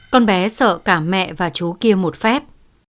con bé sợ cả mẹ và chú kia một phép